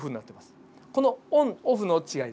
このオンオフの違い